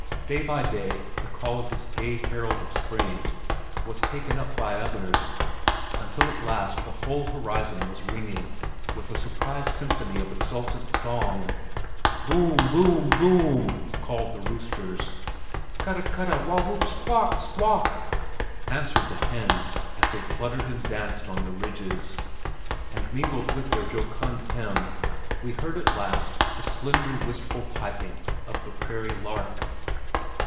Day by day the call of this gay herald of spring was taken up by others until at last the whole horizon was ringing with a sunrise symphony of exultant song. "Boom, boom, boom!" called the roosters; "cutta, cutta, wha whoop squaw, squawk!" answered the hens as they fluttered and danced on the ridges and mingled with their jocund hymn we heard at last the slender, wistful piping of the prairie lark.